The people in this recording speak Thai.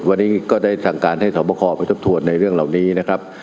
วันนี้ก็ได้สั่งการให้สวบคอไปทบทวนในเรื่องเหล่านี้นะครับ